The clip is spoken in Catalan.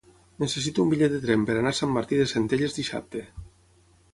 Necessito un bitllet de tren per anar a Sant Martí de Centelles dissabte.